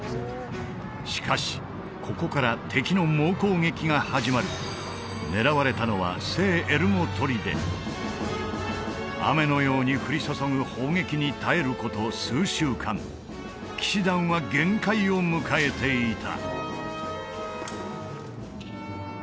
しかしここから敵の猛攻撃が始まる狙われたのは雨のように降り注ぐ騎士団は限界を迎えていた